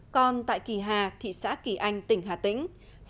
còn tại kỳ hà thị xã kỳ anh tỉnh hà tĩnh